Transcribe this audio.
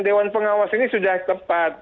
dewan pengawas ini sudah tepat